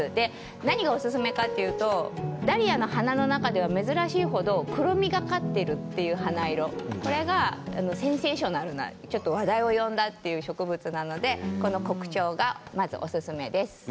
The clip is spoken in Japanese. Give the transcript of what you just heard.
何がおすすめかというとダリアの花の中では珍しいほど黒みがかっているという花色これがセンセーショナルなちょっと話題を呼んだという植物なので黒蝶がまずおすすめです。